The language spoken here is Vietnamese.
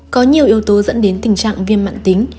có nhiều yếu tố dẫn đến tình trạng viêm mạng tính